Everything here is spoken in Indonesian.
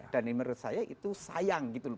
dan ini menurut saya itu sayang gitu loh